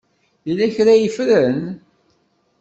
Yella kra ay ffren?